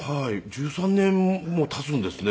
１３年も経つんですね。